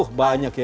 oh banyak ya